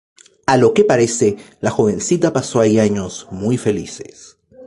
A lo que parece, la jovencita pasó ahí años muy felices.